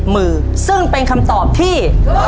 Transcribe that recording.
มือซึ่งเป็นคำตอบที่